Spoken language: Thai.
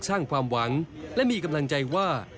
สร้างความหวังและมีกำลังใจว่า